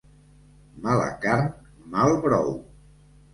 Mala carn, mal brou.